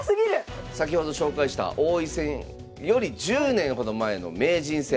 先ほど紹介した王位戦より１０年ほど前の名人戦。